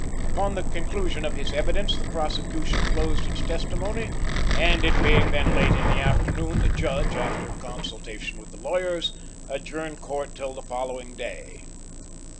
Upon the conclusion of his evidence, the prosecution closed its testimony, and it being then late in the afternoon, the Judge, after consultation with the lawyers, adjourned court till the following day.